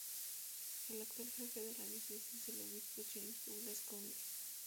El actual jefe de la Diócesis es el Obispo James Douglas Conley.